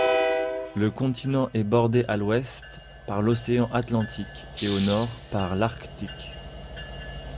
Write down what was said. Le continent est bordé à l'ouest par l'océan Atlantique et au nord par l'Arctique.